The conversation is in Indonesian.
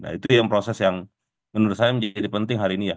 nah itu yang proses yang menurut saya menjadi penting hari ini ya